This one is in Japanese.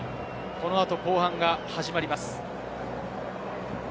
このあと後半が始まります。